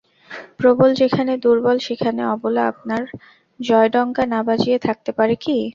প্রবল যেখানে দুর্বল সেখানে অবলা আপনার জয়ডঙ্কা না বাজিয়ে থাকতে পারে কি?